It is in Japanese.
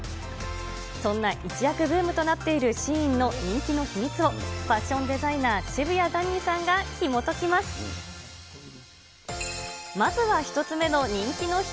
そんな一躍ブームとなっているシーインの人気の秘密を、ファッションデザイナー、渋谷ザニーさんがひもときます。